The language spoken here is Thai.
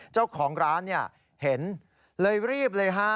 เจ้าของร้านเห็นเลยรีบเลยฮะ